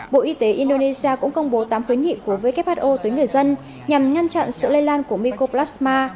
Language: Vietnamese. bộ y tế indonesia cũng công bố tám khuyến nghị của who tới người dân nhằm ngăn chặn sự lây lan của mycoplasma